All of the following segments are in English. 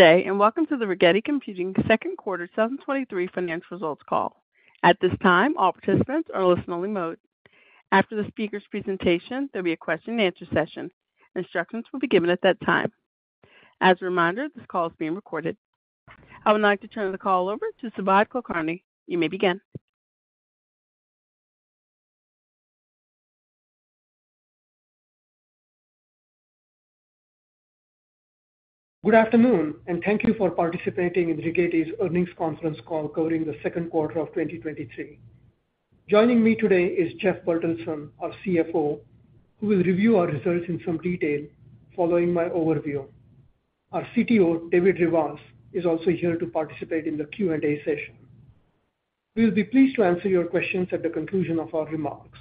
today, welcome to the Rigetti Computing second quarter 2023 financial results call. At this time, all participants are in listen-only mode. After the speaker's presentation, there'll be a question-and-answer session. Instructions will be given at that time. As a reminder, this call is being recorded. I would like to turn the call over to Subodh Kulkarni. You may begin. Good afternoon, thank you for participating in Rigetti's earnings conference call covering the second quarter of 2023. Joining me today is Jeff Bertelsen, our CFO, who will review our results in some detail following my overview. Our CTO, David Rivas, is also here to participate in the Q&A session. We will be pleased to answer your questions at the conclusion of our remarks.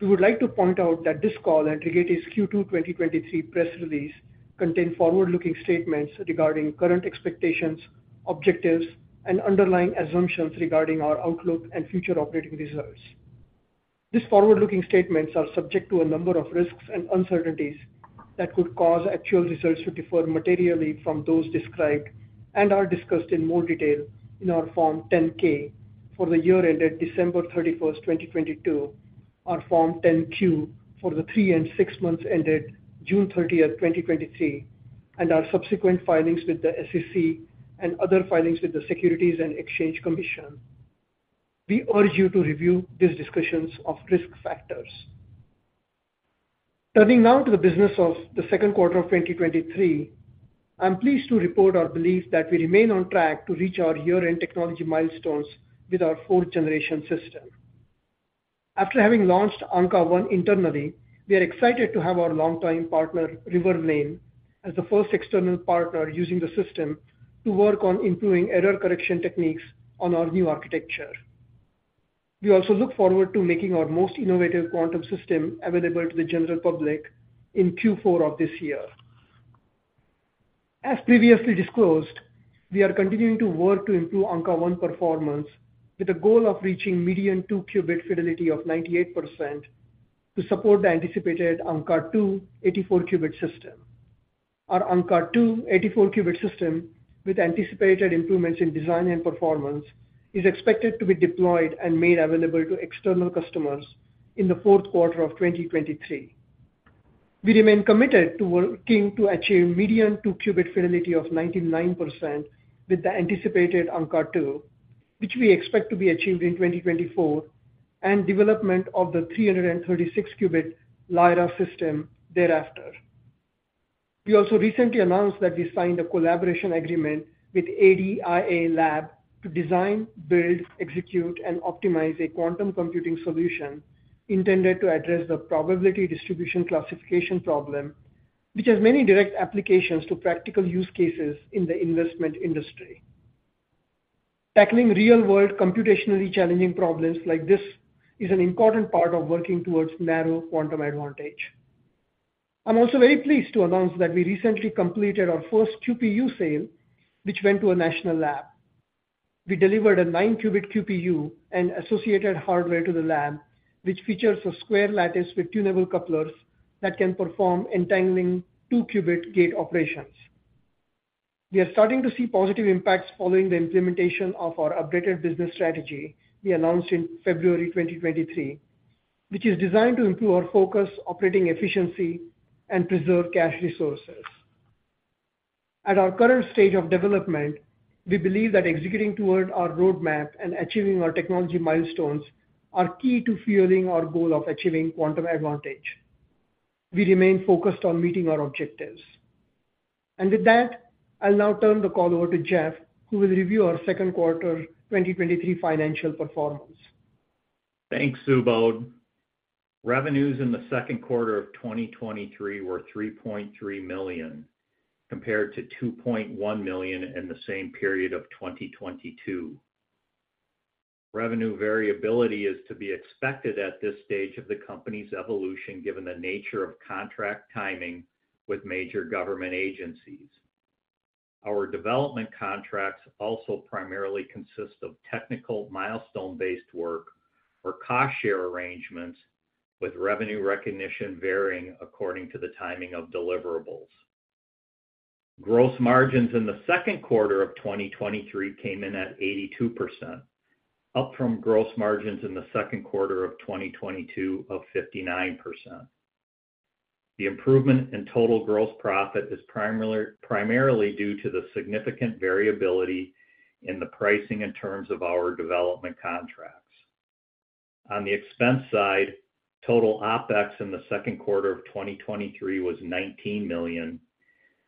We would like to point out that this call and Rigetti's Q2 2023 press release contain forward-looking statements regarding current expectations, objectives, and underlying assumptions regarding our outlook and future operating results. These forward-looking statements are subject to a number of risks and uncertainties that could cause actual results to differ materially from those described and are discussed in more detail in our Form 10-K for the year ended December 31st, 2022, our Form 10-Q for the three and six months ended June 30th, 2023, and our subsequent filings with the SEC and other filings with the Securities and Exchange Commission. We urge you to review these discussions of risk factors. Turning now to the business of the second quarter of 2023, I'm pleased to report our belief that we remain on track to reach our year-end technology milestones with our 4th generation system. After having launched Ankaa-1 internally, we are excited to have our longtime partner, Riverlane, as the first external partner using the system to work on improving error correction techniques on our new architecture. We also look forward to making our most innovative quantum system available to the general public in Q4 of this year. As previously disclosed, we are continuing to work to improve Ankaa-1 performance with a goal of reaching median 2-qubit fidelity of 98% to support the anticipated Ankaa-2 84-qubit system. Our Ankaa-2 84-qubit system, with anticipated improvements in design and performance, is expected to be deployed and made available to external customers in the fourth quarter of 2023. We remain committed to working to achieve median 2-qubit fidelity of 99% with the anticipated Ankaa-2, which we expect to be achieved in 2024, and development of the 336-qubit Lyra system thereafter. We also recently announced that we signed a collaboration agreement with ADIA Lab to design, build, execute, and optimize a quantum computing solution intended to address the probability distribution classification problem, which has many direct applications to practical use cases in the investment industry. Tackling real-world, computationally challenging problems like this is an important part of working towards narrow quantum advantage. I'm also very pleased to announce that we recently completed our first QPU sale, which went to a national lab. We delivered a 9-qubit QPU and associated hardware to the lab, which features a square lattice with tunable couplers that can perform entangling two-qubit gate operations. We are starting to see positive impacts following the implementation of our updated business strategy we announced in February 2023, which is designed to improve our focus, operating efficiency, and preserve cash resources. At our current stage of development, we believe that executing toward our roadmap and achieving our technology milestones are key to fueling our goal of achieving quantum advantage. We remain focused on meeting our objectives. With that, I'll now turn the call over to Jeff, who will review our second quarter 2023 financial performance. Thanks, Subodh. Revenues in the second quarter of 2023 were $3.3 million, compared to $2.1 million in the same period of 2022. Revenue variability is to be expected at this stage of the company's evolution, given the nature of contract timing with major government agencies. Our development contracts also primarily consist of technical milestone-based work or cost-share arrangements, with revenue recognition varying according to the timing of deliverables. Gross margins in the second quarter of 2023 came in at 82%, up from gross margins in the second quarter of 2022 of 59%. The improvement in total gross profit is primarily due to the significant variability in the pricing and terms of our development contracts. On the expense side, total OpEx in the second quarter of 2023 was $19 million,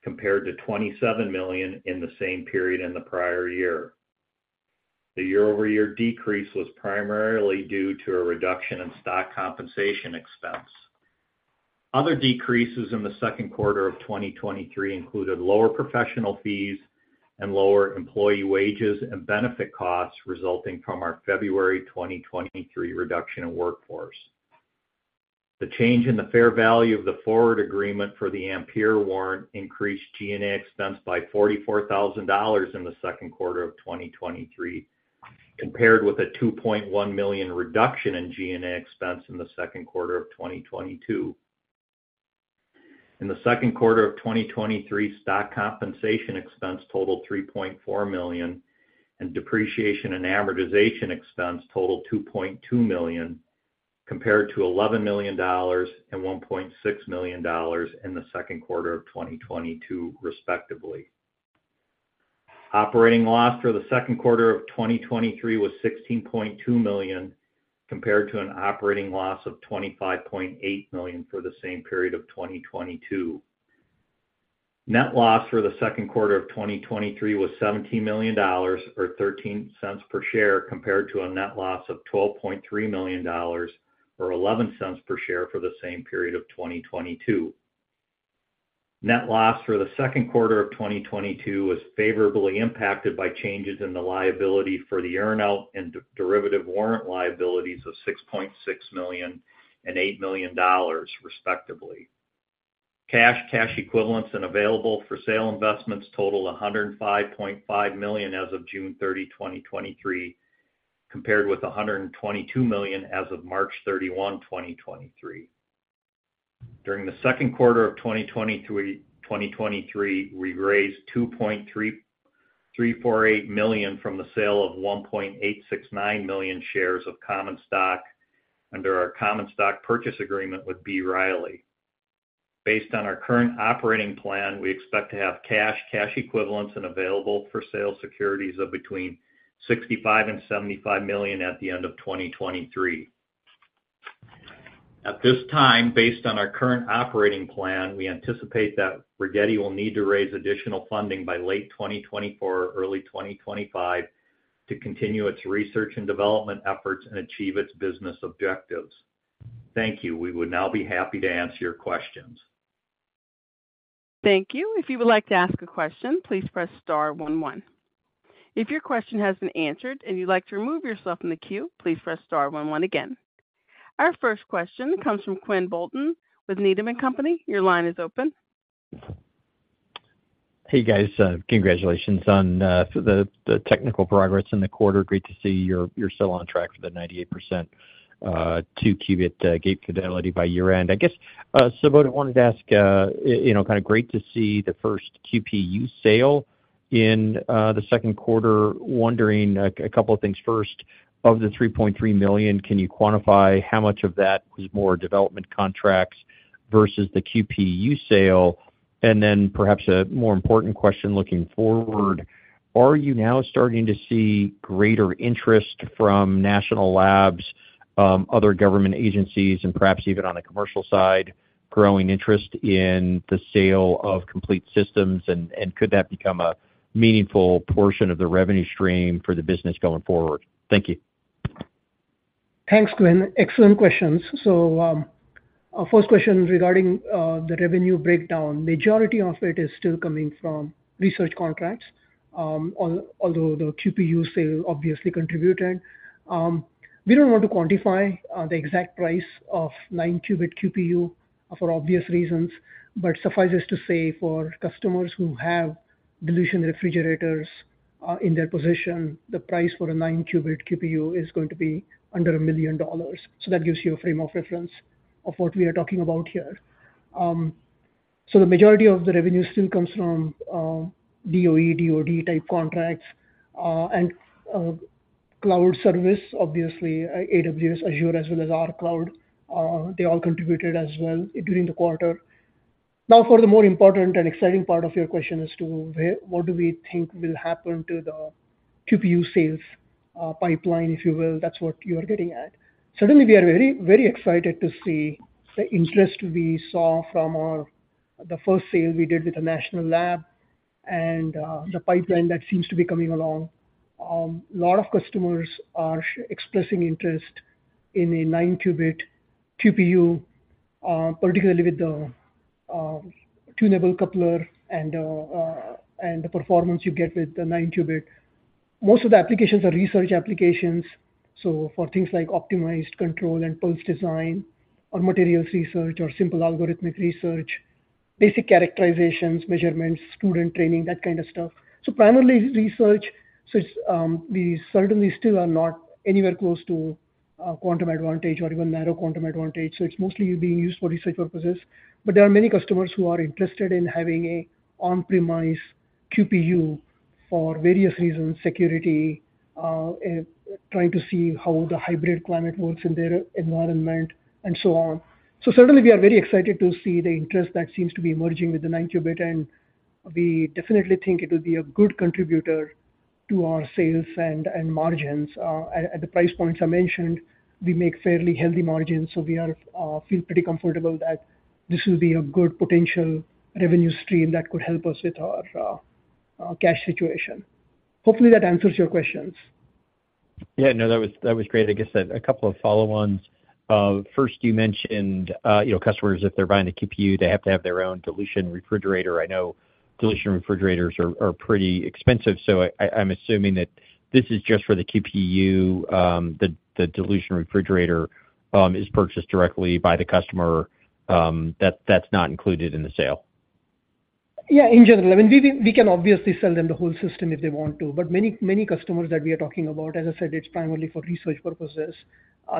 compared to $27 million in the same period in the prior year. The year-over-year decrease was primarily due to a reduction in stock-based compensation expense. Other decreases in the second quarter of 2023 included lower professional fees and lower employee wages and benefit costs resulting from our February 2023 reduction in workforce. The change in the fair value of the forward agreement for the Ampere warrant increased G&A expense by $44,000 in the second quarter of 2023, compared with a $2.1 million reduction in G&A expense in the second quarter of 2022. In the second quarter of 2023, stock-based compensation expense totaled $3.4 million, and depreciation and amortization expense totaled $2.2 million, compared to $11 million and $1.6 million in the second quarter of 2022, respectively. Operating loss for the second quarter of 2023 was $16.2 million, compared to an operating loss of $25.8 million for the same period of 2022. Net loss for the second quarter of 2023 was $17 million, or $0.13 per share, compared to a net loss of $12.3 million, or $0.11 per share, for the same period of 2022. Net loss for the second quarter of 2022 was favorably impacted by changes in the liability for the earn-out and derivative warrant liabilities of $6.6 million and $8 million, respectively. Cash, cash equivalents, and available-for-sale investments totaled $105.5 million as of June 30, 2023, compared with $122 million as of March 31, 2023. During the second quarter of 2023, we raised $2.3348 million from the sale of 1.869 million shares of common stock under our Common Stock Purchase Agreement with B. Riley. Based on our current operating plan, we expect to have cash, cash equivalents, and available-for-sale securities of between $65 million and $75 million at the end of 2023. At this time, based on our current operating plan, we anticipate that Rigetti will need to raise additional funding by late 2024 or early 2025 to continue its research and development efforts and achieve its business objectives. Thank you. We would now be happy to answer your questions. Thank you. If you would like to ask a question, please press star one one. If your question has been answered and you'd like to remove yourself from the queue, please press star one one again. Our first question comes from Quinn Bolton with Needham & Company. Your line is open. Hey, guys, congratulations on the, the technical progress in the quarter. Great to see you're, you're still on track for the 98%, 2-qubit, gate fidelity by year-end. I guess, Subodh, I wanted to ask, you know, kind of great to see the first QPU sale in the second quarter. Wondering, a couple of things. First, of the $3.3 million, can you quantify how much of that was more development contracts versus the QPU sale? And then perhaps a more important question looking forward: Are you now starting to see greater interest from national labs, other government agencies, and perhaps even on the commercial side, growing interest in the sale of complete systems, and, and could that become a meaningful portion of the revenue stream for the business going forward? Thank you. Thanks, Quinn. Excellent questions. Our first question regarding the revenue breakdown. Majority of it is still coming from research contracts, although the QPU sale obviously contributed. We don't want to quantify the exact price of 9-qubit QPU for obvious reasons, but suffice us to say, for customers who have dilution refrigerators in their position, the price for a 9-qubit QPU is going to be under $1 million. That gives you a frame of reference of what we are talking about here. The majority of the revenue still comes from DOE, DOD type contracts, and cloud service, obviously, AWS, Azure, as well as our cloud, they all contributed as well during the quarter. For the more important and exciting part of your question as to where what do we think will happen to the QPU sales pipeline, if you will, that's what you are getting at. Certainly, we are very, very excited to see the interest we saw from our the first sale we did with the National Lab and the pipeline that seems to be coming along. A lot of customers are expressing interest in a 9-qubit QPU, particularly with the tunable coupler and the performance you get with the 9 qubit. Most of the applications are research applications, for things like optimized control and pulse design or materials research or simple algorithmic research, basic characterizations, measurements, student training, that kind of stuff. Primarily research. It's, we certainly still are not anywhere close to quantum advantage or even narrow quantum advantage, so it's mostly being used for research purposes. There are many customers who are interested in having a on-premise QPU for various reasons, security, trying to see how the hybrid cloud works in their environment, and so on. Certainly, we are very excited to see the interest that seems to be emerging with the nine qubit, and we definitely think it will be a good contributor to our sales and margins. At the price points I mentioned, we make fairly healthy margins, so we are feel pretty comfortable that this will be a good potential revenue stream that could help us with our cash situation. Hopefully, that answers your questions. Yeah. No, that was, that was great. I guess a, a couple of follow-ons. First, you mentioned, you know, customers, if they're buying a QPU, they have to have their own dilution refrigerator. I know dilution refrigerators are, are pretty expensive, so I, I'm assuming that this is just for the QPU, the, the dilution refrigerator is purchased directly by the customer, that- that's not included in the sale? Yeah, in general, I mean, we, we, we can obviously sell them the whole system if they want to. Many, many customers that we are talking about, as I said, it's primarily for research purposes.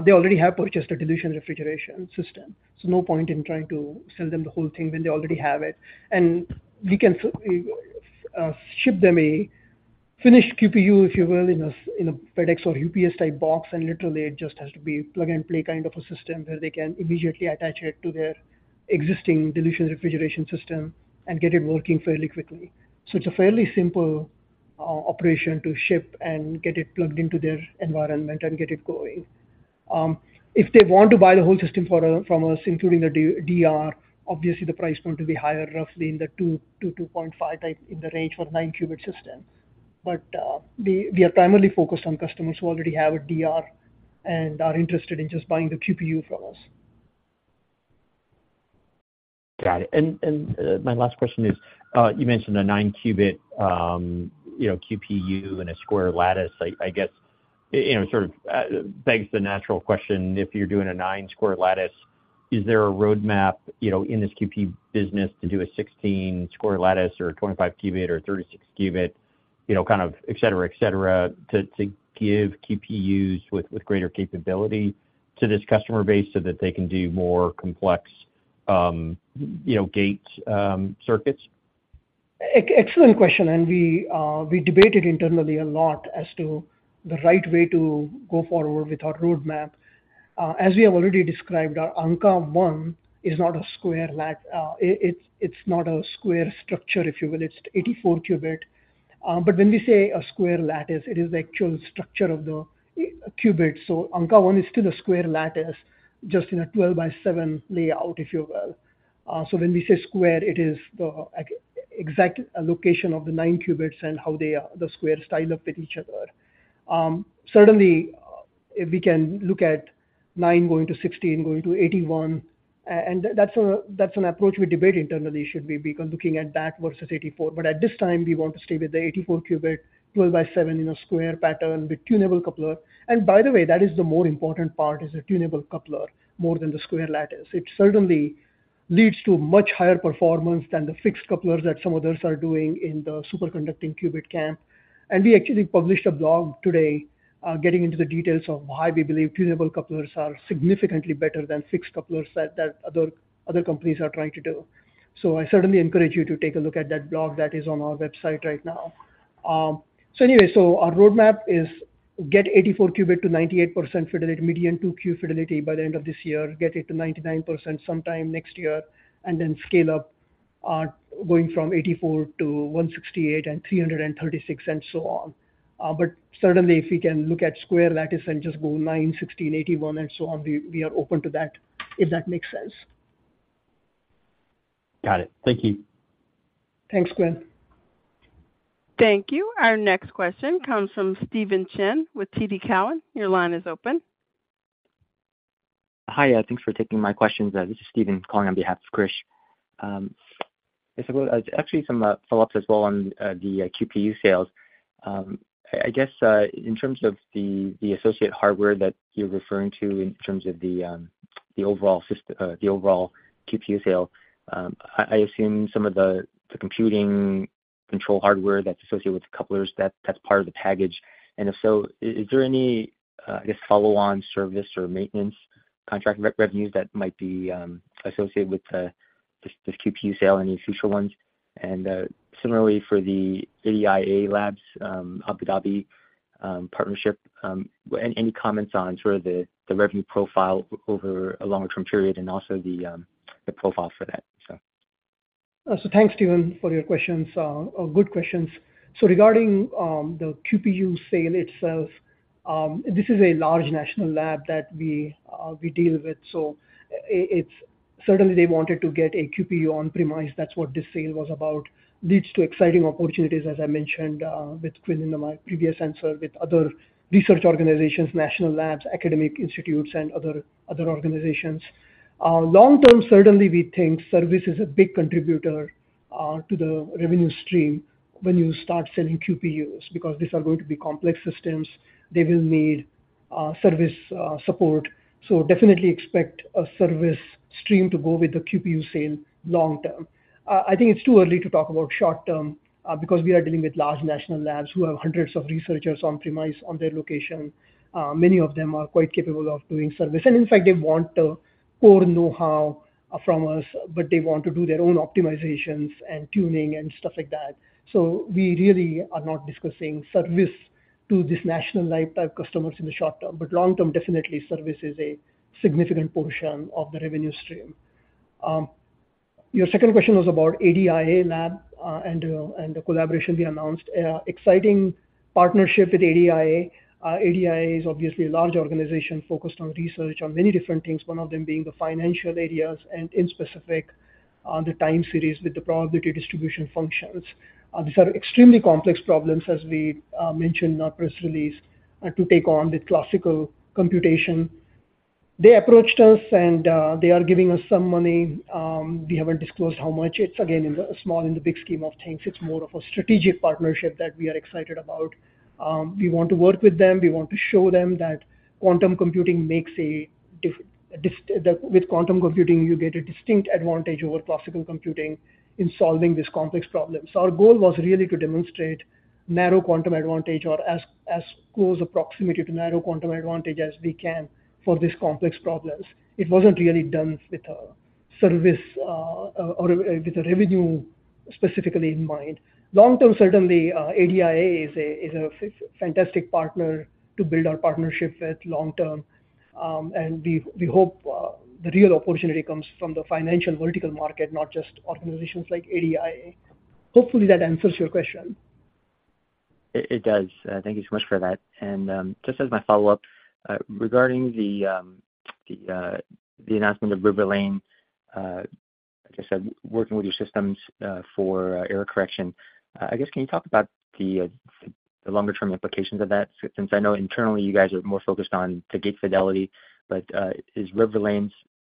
They already have purchased a dilution refrigeration system, so no point in trying to sell them the whole thing when they already have it. We can ship them a finished QPU, if you will, in a FedEx or UPS type box, and literally it just has to be plug-and-play kind of a system, where they can immediately attach it to their existing dilution refrigeration system and get it working fairly quickly. It's a fairly simple operation to ship and get it plugged into their environment and get it going. If they want to buy the whole system for, from us, including the DR, obviously the price point will be higher, roughly in the 2, 2.5 type, in the range for 9-qubit system. We, we are primarily focused on customers who already have a DR and are interested in just buying the QPU from us. Got it. My last question is, you mentioned a 9-qubit, you know, QPU and a square lattice. I guess, you know, begs the natural question, if you're doing a 9-square lattice, is there a roadmap, you know, in this QP business to do a 16-square lattice or a 25-qubit or a 36-qubit, you know, kind of et cetera, et cetera, to, to give QPUs with, with greater capability to this customer base so that they can do more complex, you know, gate, circuits? Excellent question. We debated internally a lot as to the right way to go forward with our roadmap. As we have already described, our Ankaa-1 is not a square structure, if you will, it's 84 qubit. When we say a square lattice, it is the actual structure of the qubit. Ankaa-1 is still a square lattice, just in a 12-by-7 layout, if you will. When we say square, it is the exact location of the 9 qubits and how they are, the squares tile up with each other. Certainly, if we can look at 9 going to 16, going to 81, that's an approach we debate internally, should we be looking at that versus 84. At this time we want to stay with the 84-qubit, 12-by-7 in a square pattern with tunable coupler. By the way, that is the more important part, is a tunable coupler, more than the square lattice. It certainly leads to much higher performance than the fixed couplers that some others are doing in the superconducting qubit camp. We actually published a blog today, getting into the details of why we believe tunable couplers are significantly better than fixed couplers that other companies are trying to do. I certainly encourage you to take a look at that blog that is on our website right now. Anyway, our roadmap is get 84 qubit to 98% fidelity, median 2-qubit fidelity by the end of this year, get it to 99% sometime next year, and then scale up, going from 84 to 168 and 336, and so on. Certainly, if we can look at square lattice and just go 9, 16, 81, and so on, we, we are open to that, if that makes sense. Got it. Thank you. Thanks, Quinn. Thank you. Our next question comes from Steven Chin with TD Cowen. Your line is open. Hi, thanks for taking my questions. This is Steven calling on behalf of Chris. I suppose, actually some follow-ups as well on the QPU sales. I, I guess, in terms of the, the associate hardware that you're referring to in terms of the, the overall QPU sale, I, I assume some of the, the computing control hardware that's associated with the couplers, that's, that's part of the package, and if so, is, is there any, I guess, follow-on service or maintenance contract revenues that might be associated with this, this QPU sale, any future ones? Similarly for the ADIA Lab, Abu Dhabi, partnership, any, any comments on sort of the, the revenue profile over a longer-term period and also the, the profile for that? Thanks, Steven, for your questions. Good questions. Regarding the QPU sale itself, this is a large national lab that we deal with. Certainly, they wanted to get a QPU on-premise. That's what this sale was about. Leads to exciting opportunities, as I mentioned, with within my previous answer with other research organizations, national labs, academic institutes, and other, other organizations. Long term, certainly we think service is a big contributor to the revenue stream when you start selling QPUs. Because these are going to be complex systems, they will need service support. Definitely expect a service stream to go with the QPU sale long term. I think it's too early to talk about short term, because we are dealing with large national labs who have hundreds of researchers on-premise on their location. Many of them are quite capable of doing service, and in fact, they want the core know-how from us, but they want to do their own optimizations and tuning and stuff like that. We really are not discussing service to this national lab-type customers in the short term, but long term, definitely service is a significant portion of the revenue stream. Your second question was about ADIA Lab, and the collaboration we announced. Exciting partnership with ADIA. ADIA is obviously a large organization focused on research on many different things, one of them being the financial areas and in specific, the time series with the probability distribution functions. These are extremely complex problems, as we mentioned in our press release, to take on the classical computation. They approached us, and they are giving us some money. We haven't disclosed how much. It's again, in the small, in the big scheme of things, it's more of a strategic partnership that we are excited about. We want to work with them. We want to show them that quantum computing makes a that with quantum computing, you get a distinct advantage over classical computing in solving these complex problems. Our goal was really to demonstrate narrow quantum advantage or as, as close proximity to narrow quantum advantage as we can for these complex problems. It wasn't really done with a service, or with a revenue specifically in mind. Long term, certainly, ADIA is a fantastic partner to build our partnership with long term. We hope the real opportunity comes from the financial vertical market, not just organizations like ADIA. Hopefully, that answers your question. It, it does. Thank you so much for that. And, just as my follow-up, regarding the, the, the announcement of Riverlane, like I said, working with your systems, for error correction. I guess, can you talk about the, the longer-term implications of that? Since I know internally, you guys are more focused on to gate fidelity, but, is Riverlane's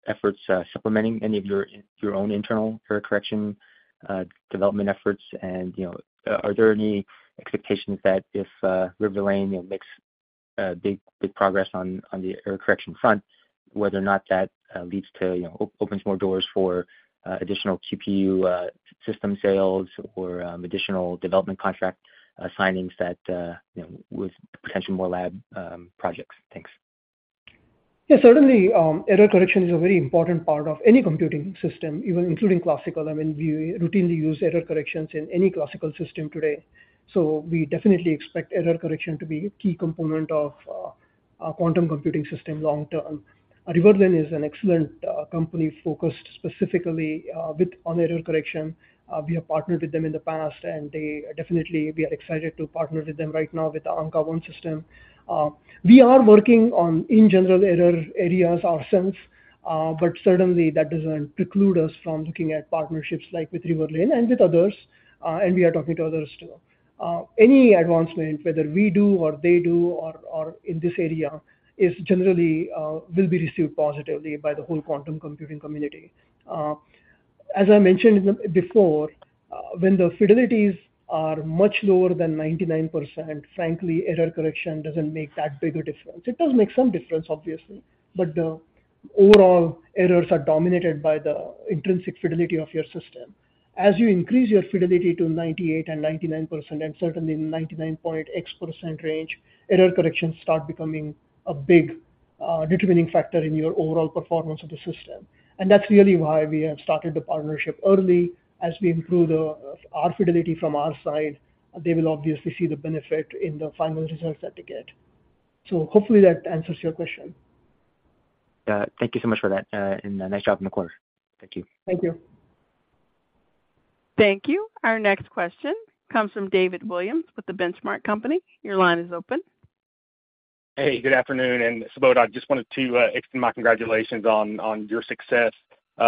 efforts, supplementing any of your, your own internal error correction, development efforts? You know, are there any expectations that if, Riverlane, you know, makes, big, big progress on, on the error correction front, whether or not that, leads to, you know, opens more doors for, additional QPU, system sales or, additional development contract, signings that, you know, with potentially more lab, projects? Thanks. Yeah, certainly, error correction is a very important part of any computing system, even including classical. I mean, we routinely use error corrections in any classical system today. We definitely expect error correction to be a key component of a quantum computing system long term. Riverlane is an excellent company focused specifically with on error correction. We have partnered with them in the past, and they definitely, we are excited to partner with them right now with the Ankaa-1 system. We are working on, in general, error areas ourselves, but certainly, that doesn't preclude us from looking at partnerships like with Riverlane and with others, and we are talking to others, too. Any advancement, whether we do or they do or, or in this area, is generally will be received positively by the whole quantum computing community. As I mentioned in the before, when the fidelities are much lower than 99%, frankly, error correction doesn't make that big a difference. It does make some difference, obviously, but the overall errors are dominated by the intrinsic fidelity of your system. As you increase your fidelity to 98 and 99%, and certainly in 99.X% range, error corrections start becoming a big determining factor in your overall performance of the system. That's really why we have started the partnership early. As we improve the, our fidelity from our side, they will obviously see the benefit in the final results that they get. Hopefully that answers your question. Yeah. Thank you so much for that, and, nice job in the quarter. Thank you. Thank you. Thank you. Our next question comes from David Williams with The Benchmark Company. Your line is open. Hey, good afternoon, Subodh, I just wanted to extend my congratulations on, on your success.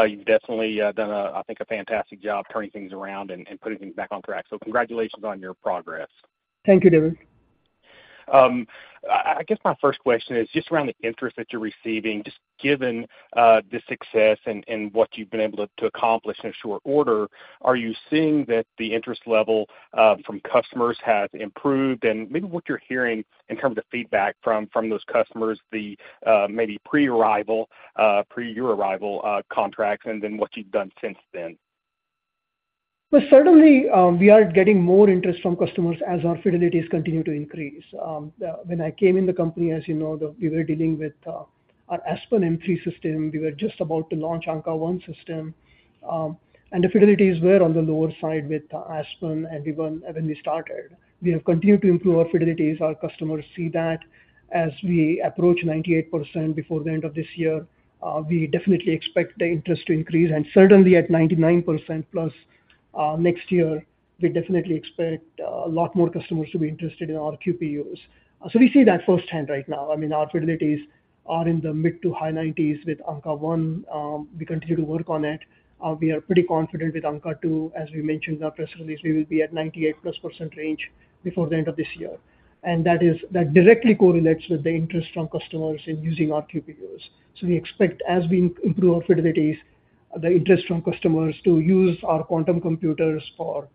You've definitely done a, I think, a fantastic job turning things around and, and putting things back on track. Congratulations on your progress. Thank you, David. I, I guess my first question is just around the interest that you're receiving, just given the success and what you've been able to accomplish in a short order, are you seeing that the interest level from customers has improved? Maybe what you're hearing in terms of feedback from those customers, the maybe pre-arrival, pre your arrival, contracts, and then what you've done since then. Well, certainly, we are getting more interest from customers as our fidelities continue to increase. When I came in the company, as you know, we were dealing with our Aspen M-3 system. We were just about to launch Ankaa-1 system, and the fidelities were on the lower side with Aspen, and we weren't when we started. We have continued to improve our fidelities. Our customers see that as we approach 98% before the end of this year, we definitely expect the interest to increase, and certainly at 99%+ next year, we definitely expect a lot more customers to be interested in our QPUs. We see that firsthand right now. I mean, our fidelities are in the mid to high 90s with Ankaa-1. We continue to work on it. We are pretty confident with Ankaa-2. As we mentioned in our press release, we will be at 98%+ range before the end of this year. That is, that directly correlates with the interest from customers in using our QPUs. We expect as we improve our fidelities, the interest from customers to use our quantum computers for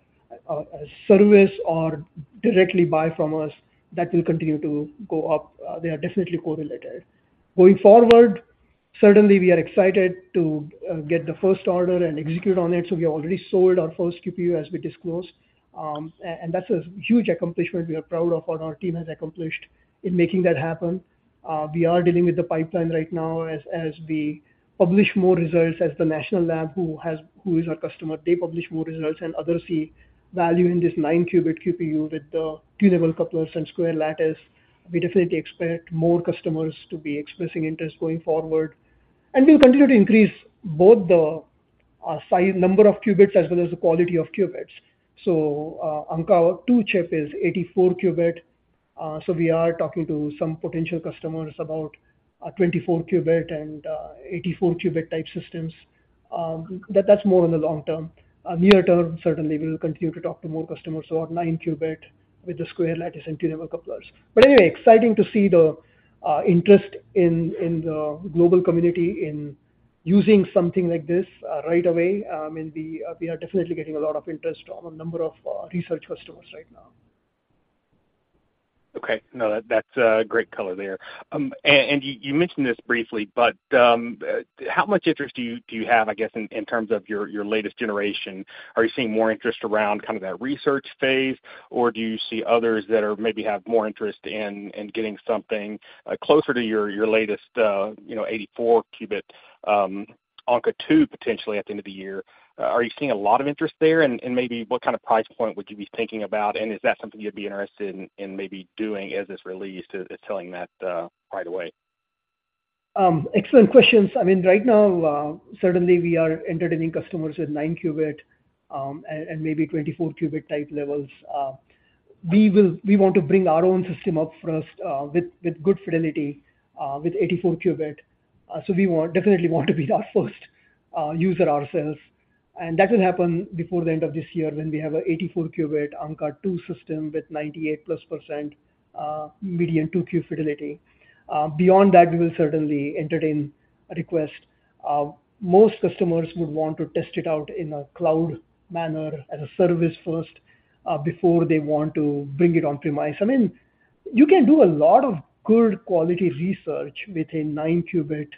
a, a service or directly buy from us, that will continue to go up. They are definitely correlated. Going forward, certainly, we are excited to get the first order and execute on it. We already sold our first QPU, as we disclosed, and that's a huge accomplishment we are proud of what our team has accomplished in making that happen. We are dealing with the pipeline right now as, as we publish more results, as the national lab, who is our customer, they publish more results, and others see value in this 9-qubit QPU with the tunable couplers and square lattice. We definitely expect more customers to be expressing interest going forward, and we'll continue to increase both the size, number of qubits as well as the quality of qubits. Ankaa-2 chip is 84-qubit. We are talking to some potential customers about a 24-qubit and 84-qubit type systems. That, that's more in the long term. Near term, certainly we will continue to talk to more customers about 9-qubit with the square lattice interleaved couplers. Anyway, exciting to see the interest in the global community in using something like this right away. We are definitely getting a lot of interest on a number of research customers right now. Okay. No, that, that's a great color there. You, you mentioned this briefly, but how much interest do you, do you have, I guess, in, in terms of your, your latest generation? Are you seeing more interest around kind of that research phase, or do you see others that are maybe have more interest in, in getting something closer to your, your latest, you know, 84-qubit Ankaa-2, potentially at the end of the year? Are you seeing a lot of interest there? Maybe what kind of price point would you be thinking about, and is that something you'd be interested in, in maybe doing as it's released, is, is selling that right away? Excellent questions. I mean, right now, certainly we are entertaining customers with nine-qubit and maybe 24-qubit type levels. We want to bring our own system up first with good fidelity with 84-qubit. So we want, definitely want to be our first user ourselves, and that will happen before the end of this year when we have a 84-qubit Ankaa-2 system with 98%+ median 2-qubit fidelity. Beyond that, we will certainly entertain a request. Most customers would want to test it out in a cloud manner as a service first before they want to bring it on-premise. I mean, you can do a lot of good quality research with a 9-qubit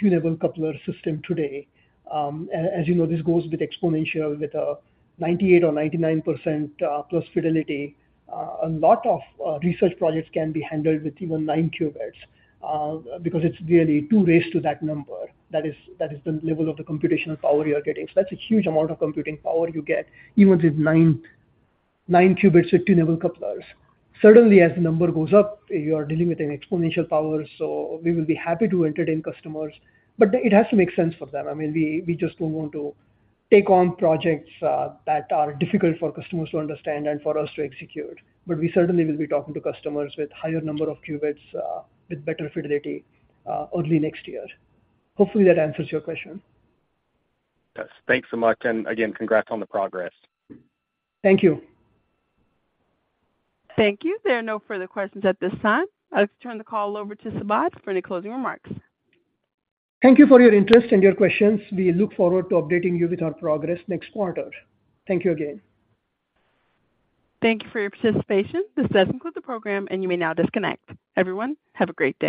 two-level coupler system today. As you know, this goes with exponential with 98% or 99% plus fidelity. A lot of research projects can be handled with even 9 qubits because it's really two ways to that number. That is the level of the computational power you are getting. That's a huge amount of computing power you get, even with 9, 9 qubits with two-level couplers. Certainly, as the number goes up, you are dealing with an exponential power, so we will be happy to entertain customers, but it has to make sense for them. I mean, we just don't want to take on projects that are difficult for customers to understand and for us to execute. We certainly will be talking to customers with higher number of qubits with better fidelity early next year. Hopefully, that answers your question. Yes. Thanks so much, and again, congrats on the progress. Thank you. Thank you. There are no further questions at this time. I'd like to turn the call over to Subodh for any closing remarks. Thank you for your interest and your questions. We look forward to updating you with our progress next quarter. Thank you again. Thank you for your participation. This does conclude the program, and you may now disconnect. Everyone, have a great day.